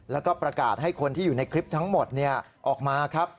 แล้วก็ประกาศให้คนที่อยู่ในคลิปทั้งหมดออกมาครับ